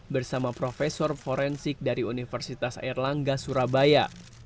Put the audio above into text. bersama prof forensik dari universitas airlangga surabaya